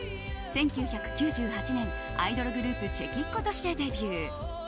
１９９８年、アイドルグループチェキッ娘としてデビュー。